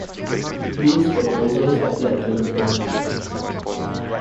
These proposals have led to nothing.